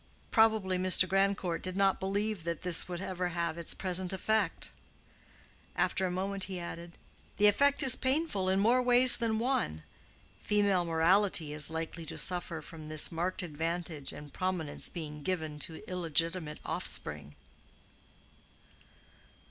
Probably Mr. Grandcourt did not believe that this will would ever have its present effect." After a moment, he added, "The effect is painful in more ways than one. Female morality is likely to suffer from this marked advantage and prominence being given to illegitimate offspring."